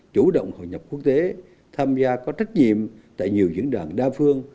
chủ động hội nhập quốc tế tham gia có trách nhiệm tại nhiều diễn đàn đa phương